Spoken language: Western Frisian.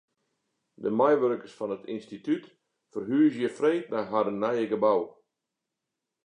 De meiwurkers fan it ynstitút ferhúzje freed nei harren nije gebou.